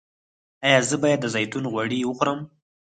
ایا زه باید د زیتون غوړي وخورم؟